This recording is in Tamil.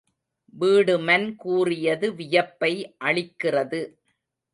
வீடுமன் கூறியது வியப்பை அளிக்கிறது.